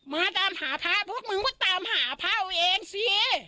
มาตามหาพระพวกมึงก็ตามหาพระเอาเองสิ